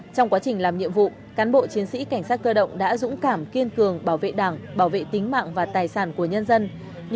trong quá trình làm nhiệm vụ cán bộ chiến sĩ cảnh sát cơ động đã dũng cảm kiên cường bảo vệ đảng bảo vệ tính mạng và tài sản của nhân dân